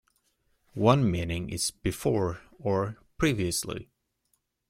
One meaning is "before" or "previously.